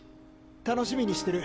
楽しみにしてる。